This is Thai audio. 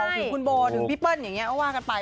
ถึงคุณโบ้ถึงพี่ป้อนว่ากันไป